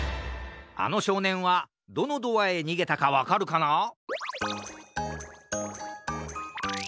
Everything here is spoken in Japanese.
あのしょうねんはどのドアへにげたかわかるかな？